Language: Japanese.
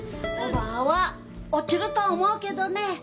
おばぁは落ちると思うけどねえ。